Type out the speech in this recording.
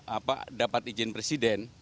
apa dapat izin presiden